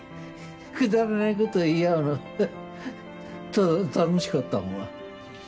くだらない事言い合うのただ楽しかったもん。